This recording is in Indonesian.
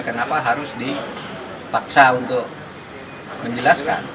kenapa harus dipaksa untuk menjelaskan